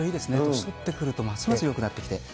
年取ってくるとますますよくなってきて。